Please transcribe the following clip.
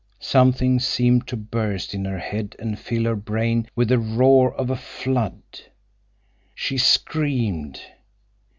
Something seemed to burst in her head and fill her brain with the roar of a flood. She screamed.